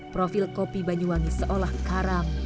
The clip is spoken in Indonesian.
profil kopi banyuwangi seolah karang